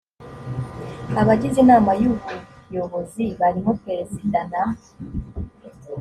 abagize inama y ubuyobozi barimo perezida na